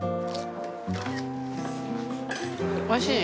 おいしい？